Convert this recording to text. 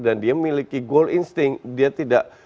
dan dia memiliki goal instinct